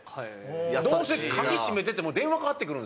どうせ鍵閉めてても電話かかってくるんですよね。